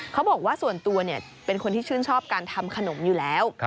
เขาบอกว่าส่วนตัวเป็นคนที่ชื่นชอบการทำขนมอยู่แล้ว